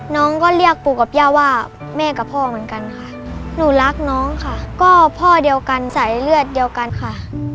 น้องก็เรียกปู่กับย่าว่าแม่กับพ่อเหมือนกันค่ะหนูรักน้องค่ะก็พ่อเดียวกันสายเลือดเดียวกันค่ะ